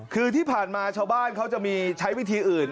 คือที่ผ่านมาชาวบ้านเขาจะมีใช้วิธีอื่น